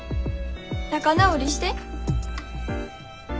仲直りして。